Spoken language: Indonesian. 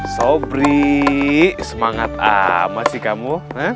sobri semangat amat sih kamu